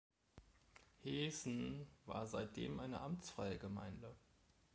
Heessen war seitdem eine amtsfreie Gemeinde.